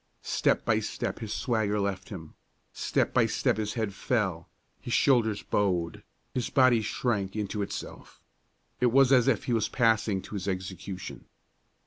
Step by step his swagger left him; step by step his head fell, his shoulders bowed, his body shrank into itself. It was as if he were passing to his execution.